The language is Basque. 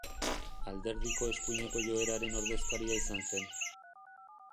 Alderdiko eskuineko joeraren ordezkaria izan zen.